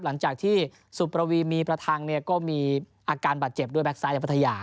หลังจากที่สุประวีมีประทังก็มีอาการบาดเจ็บด้วยแก๊กซ้ายจากพัทยา